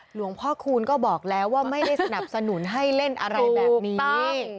หลวงพ่อคูณก็บอกแล้วว่าไม่ได้สนับสนุนให้เล่นอะไรแบบนี้